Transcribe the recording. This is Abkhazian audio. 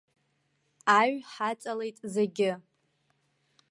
Аҩ ҳаҵалеит зегьы.